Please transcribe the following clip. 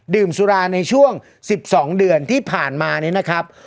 ดื่มสุราในช่วง๑๒เดือนที่ผ่านมาเนี่ยนะครับ